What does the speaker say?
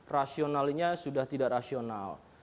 rasionalnya sudah tidak rasional